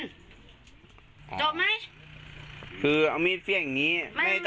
จบไหมคือเอามีดเฟี่ยงอย่างงี้ไม่ได้ตั้งใกล้ฟันนะ